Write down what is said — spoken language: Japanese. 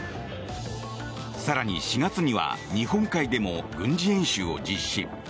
更に４月には日本海でも軍事演習を実施。